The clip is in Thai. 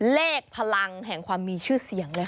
เลขพลังแห่งความมีชื่อเสียงเลยค่ะ